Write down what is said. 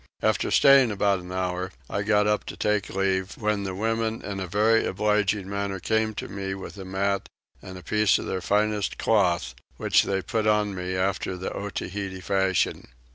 After staying about an hour I got up to take leave, when the women in a very obliging manner came to me with a mat and a piece of their finest cloth, which they put on me after the Otaheite fashion.